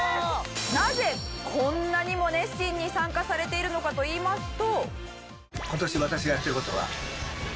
なぜこんなにも熱心に参加されているのかといいますと。